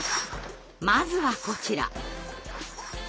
まずはこちら。